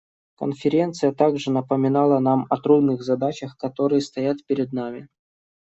Конференция также напомнила нам о трудных задачах, которые стоят перед нами.